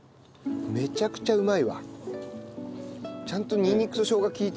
これめちゃくちゃうまい。